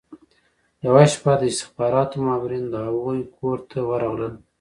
یوه شپه د استخباراتو مامورین د هغوی کور ته ورغلل